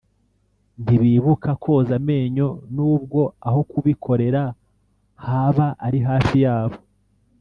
ntibibuka koza amenyo nubwo aho kubikorera haba ari hafi yabo